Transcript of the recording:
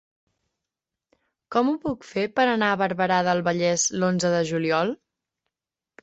Com ho puc fer per anar a Barberà del Vallès l'onze de juliol?